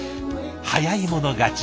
早い者勝ち。